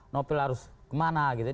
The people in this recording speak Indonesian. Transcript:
nopel harus kemana